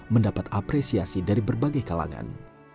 mendapat apresiasi dari berbagai kalangan